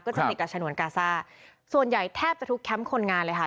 จะติดกับฉนวนกาซ่าส่วนใหญ่แทบจะทุกแคมป์คนงานเลยค่ะ